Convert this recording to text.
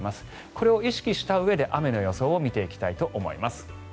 これを意識したうえで雨の予想を見ていきたいと思います。